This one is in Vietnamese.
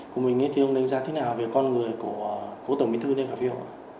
của mình thì ông đánh giá thế nào về con người của cụ tổng bình thư này khả phiêu